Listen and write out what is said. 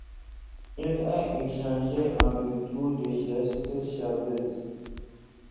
Il est échangé en retour de Jesse Chavez.